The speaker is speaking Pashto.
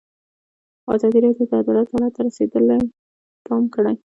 ازادي راډیو د عدالت حالت ته رسېدلي پام کړی.